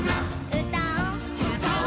「うたお」うたお。